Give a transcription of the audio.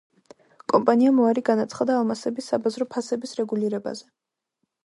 კომპანიამ უარი განაცხადა ალმასების საბაზრო ფასების რეგულირებაზე.